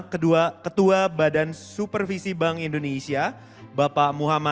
yang pertama ketua badan supervisi bank indonesia bapak mas ayo